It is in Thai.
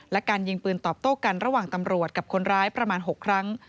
และการยิงปืนตอบโต้กันระหว่างตำรวจกับคนร้ายประมาณ๖ครั้ง